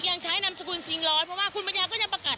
ยังใช้นามสกุลซิงร้อยเพราะว่าคุณปัญญาก็ยังประกาศ